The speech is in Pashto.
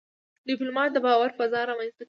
ډيپلومات د باور فضا رامنځته کوي.